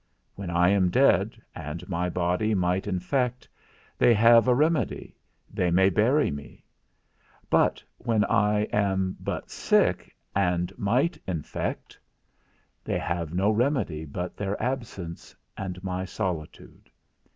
When I am dead, and my body might infect, they have a remedy, they may bury me; but when I am but sick, and might infect, they have no remedy but their absence, and my solitude.